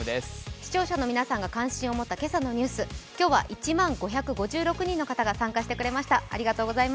視聴者の皆さんが関心を持った今朝のニュース、今日は１万５５６人の方が参加してくれました。